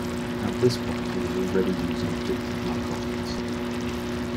At this point, he was already using addictive narcotics.